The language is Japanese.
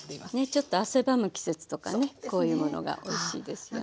ちょっと汗ばむ季節とかねこういうものがおいしいですよね。